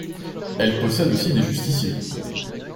Elle possède aussi des justiciers.